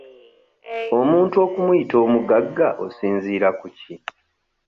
Omuntu okumuyita omugagga osinziira ku ki?